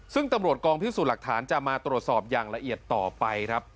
ซึ่งตำรวจกองพิสูจน์หลักฐานจะมาตรวจสอบอย่างละเอียดต่อไปครับ